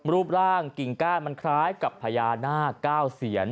รูปร่างกิ่งก้านมันคล้ายกับพญานาค๙เสียน